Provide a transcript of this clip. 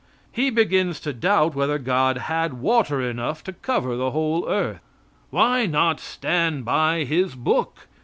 He begins to doubt whether God had water enough to cover the whole earth. Why not stand by his book?